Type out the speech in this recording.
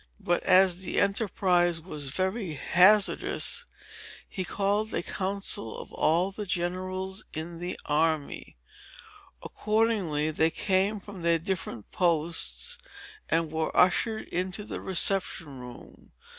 But as the enterprise was very hazardous, he called a council of all the generals in the army. Accordingly, they came from their different posts, and were ushered into the reception room.